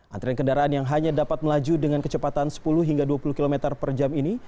antrian kendaraan yang hanya dapat melaju dengan kecepatan sepuluh hingga dua puluh km per jam ini